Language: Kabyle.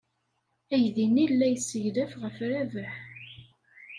Aydi-nni la yesseglaf ɣef Rabaḥ.